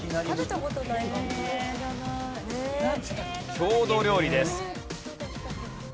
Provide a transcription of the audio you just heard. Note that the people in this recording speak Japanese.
郷土料理です。